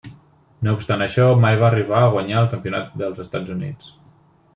No obstant això, mai va arribar a guanyar el Campionat dels Estats Units.